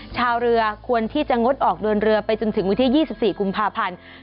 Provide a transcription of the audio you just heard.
ชาวเรือควรที่จะงดออกเดินเรือไปจนถึงวันที่๒๔กุมภาพันธ์